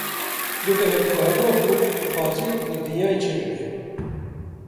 Bibe ew guherîna ku dixwazî li dinyayê çêbibe.